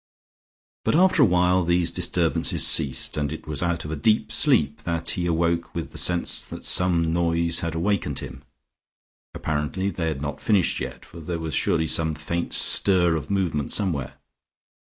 But after a while these disturbances ceased, and it was out of a deep sleep that he awoke with the sense that some noise had awakened him. Apparently they had not finished yet, for there was surely some faint stir of movement somewhere.